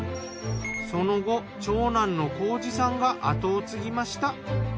その後長男の浩司さんが後を継ぎました。